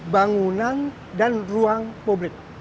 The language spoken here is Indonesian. bangunan dan ruang publik